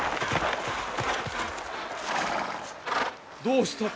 どうした？